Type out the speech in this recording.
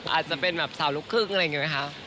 อาจจะเป็นแบบสาวลูกครึ่งอะไรอย่างนี้ไหมคะ